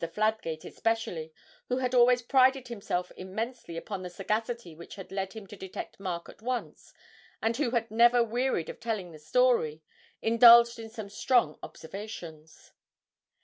Fladgate, especially, who had always prided himself immensely upon the sagacity which had led him to detect Mark at once, and who had never wearied of telling the story, indulged in some strong observations.